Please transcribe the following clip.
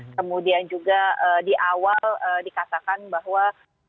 kemudian juga di awal dikatakan bahwa